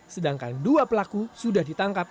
sedangkan dua pelaku sudah ditangkap